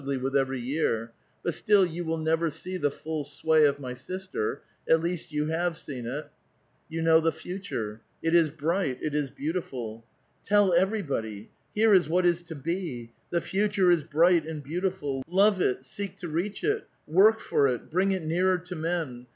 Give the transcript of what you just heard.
^' with every year ; but still you will never see the full swa}' of my sister, at least yon have Been it ; you know the future. It is bright, it is beautiful. Tell evei ybody. Here is what is to be ! The future is bright and beautiful. Love it! seek to reach it! work for it ! bring it nearer to men